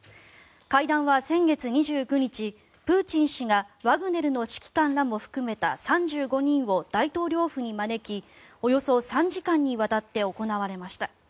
会談は先月２９日プーチン氏がワグネルの指揮官らも含めた３５人を大統領府に招きおよそ３時間にわたって行われました。